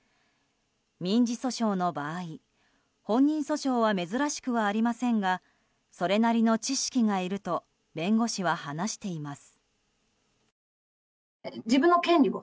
民事訴訟の場合本人訴訟は珍しくはありませんがそれなりの知識がいると弁護士は話しています。